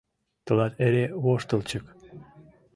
— Тылат эре воштылчык!